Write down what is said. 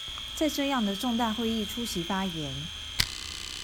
在這樣的重大會議出席發言